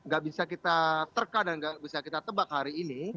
gak bisa kita terka dan nggak bisa kita tebak hari ini